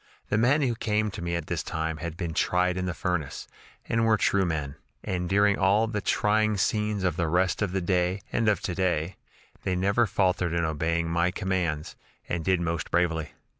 The men who came to me at this time had been 'tried in the furnace,' and were true men, and during all the trying scenes of the rest of the day and of to day, they never faltered in obeying my commands, and did most bravely.